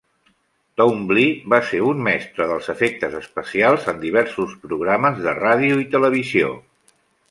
Twombly va ser un mestre dels efectes especials en diversos programes de ràdio i televisió.